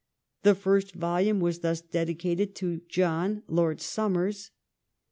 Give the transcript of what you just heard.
The first volume was thus dedicated ' To John, Lord Somers.'